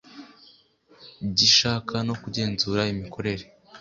by Ishyaka no kugenzura imikorere